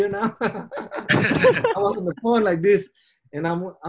dan saya hampir berpikir ya tuhan